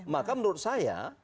maka menurut saya